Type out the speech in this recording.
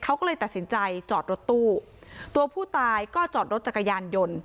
เขาก็เลยตัดสินใจจอดรถตู้ตัวผู้ตายก็จอดรถจักรยานยนต์